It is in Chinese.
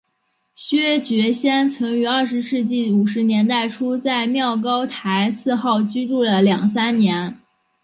薛觉先曾于二十世纪五十年代初在妙高台四号居住了两三年。